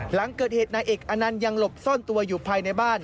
หลังเกิดเหตุนายเอกอนันต์ยังหลบซ่อนตัวอยู่ภายในบ้าน